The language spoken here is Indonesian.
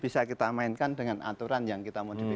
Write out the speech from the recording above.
bisa kita mainkan dengan aturan yang kita modifikasi